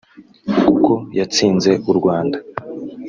kuko yatsinze u Rwanda